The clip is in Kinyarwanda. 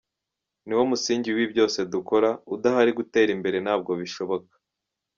Niwo musingi w’ibi byose dukora, udahari gutera imbere ntabwo bishoboka.